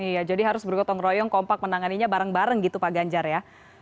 iya jadi harus bergotong royong kompak menanganinya bareng bareng gitu pak ganjar ya